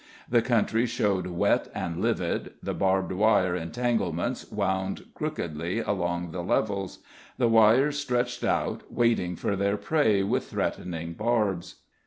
The country showed wet and livid, the barbed wire entanglements wound crookedly along the levels. The wires stretched out waiting for their prey with threatening barbs.